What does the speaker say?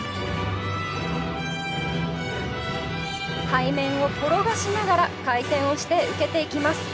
背面を転がしながら回転をして受けていきます。